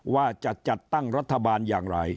ว่าจะจัดตั้งรัฐบาลอย่างไร